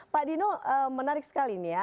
pak dino menarik sekali nih ya